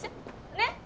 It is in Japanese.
ねっ？